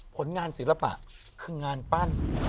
ผลงานศิลปะคืองานปั้น